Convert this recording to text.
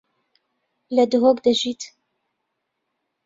لە دهۆک دەژیت.